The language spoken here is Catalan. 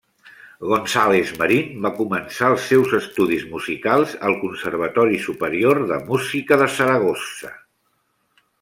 González Marín va començar els seus estudis musicals al Conservatori Superior de Música de Saragossa.